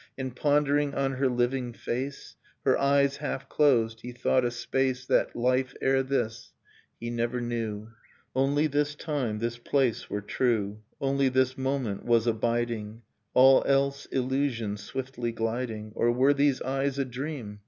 And pondering on her living face, Her eyes half closed, he thought a space That Ufe ere this he never knew; Innocence Only this time, this place, were true, Only this moment was abiding; All else illusion swiftly gliding. Or were these eyes a dream?